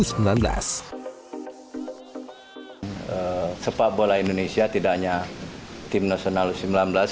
sepak bola indonesia tidak hanya timnas nalus sembilan belas